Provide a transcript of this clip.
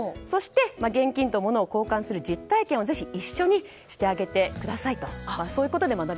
そして、現金と物を交換する実体験をぜひ一緒にしてあげてくださいと。